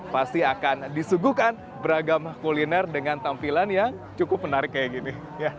pasti akan disuguhkan beragam kuliner dengan tampilan yang cukup menarik kayak gini